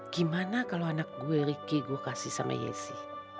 gimana kalau anak gue ricky gue kasih sama yesi